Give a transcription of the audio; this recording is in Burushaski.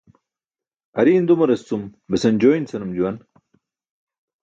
Ariin dumaras cum besan jooin senum juwan.